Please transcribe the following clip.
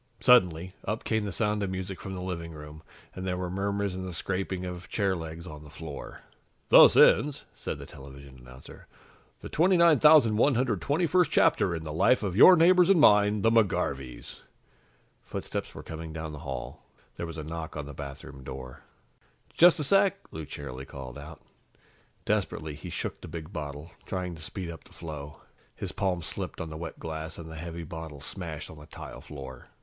Suddenly, up came the sound of music from the living room and there were murmurs and the scraping of chair legs on the floor. "Thus ends," said the television announcer, "the 29,121st chapter in the life of your neighbors and mine, the McGarveys." Footsteps were coming down the hall. There was a knock on the bathroom door. "Just a sec," Lou cheerily called out. Desperately, he shook the big bottle, trying to speed up the flow. His palms slipped on the wet glass, and the heavy bottle smashed on the tile floor.